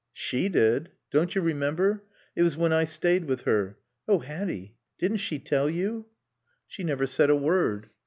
"She did.... Don't you remember? It was when I stayed with her.... Oh, Hatty, didn't she tell you?" "She never said a word."